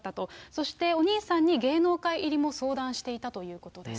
そしてお兄さんに芸能界入りも相談していたということです。